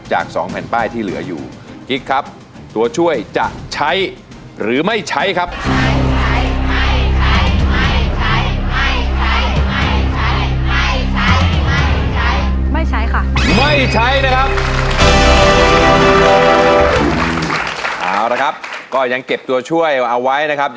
สองแผ่นป้ายที่เหลืออยู่กิ๊กครับตัวช่วยจะใช้หรือไม่ใช้ครับ